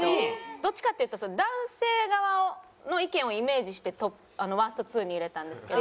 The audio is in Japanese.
どっちかっていうと男性側の意見をイメージしてワースト２に入れたんですけど。